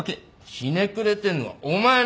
ひねくれてんのはお前な！